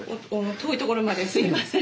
遠いところまですみません。